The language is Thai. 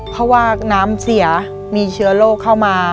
เพราะว่าน้ำเสียมีเชื้อโรคเข้ามา